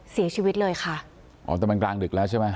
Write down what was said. เสียชีวิตเลยค่ะอ๋อแต่มันกลางดึกแล้วใช่ไหม